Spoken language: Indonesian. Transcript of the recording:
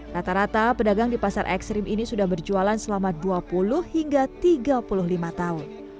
rata rata pedagang di pasar ekstrim ini sudah berjualan selama dua puluh hingga tiga puluh lima tahun